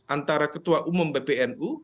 antara ketua umum bpnu